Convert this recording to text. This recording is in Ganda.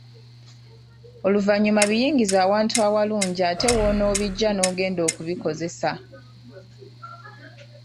Oluvannyuma biyingize awantu awalungi ate w‘onoobijja ng‘ogenda okubikozesa.